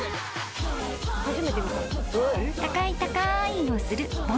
［高い高いをするボノボ］